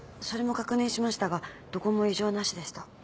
それも確認しましたがどこも異常なしでした。